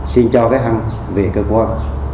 xin cho bé hân về cơ quan